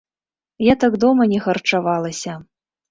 Я так дома не харчавалася.